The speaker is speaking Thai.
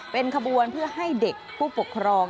เป็นขบวนเพื่อให้เด็กผู้ปกครอง